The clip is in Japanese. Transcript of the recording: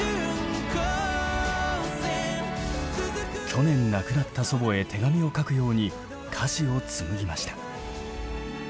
去年亡くなった祖母へ手紙を書くように歌詞を紡ぎました。